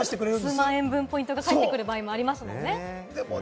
数万円分のポイントがかえってくる場合もありますからね。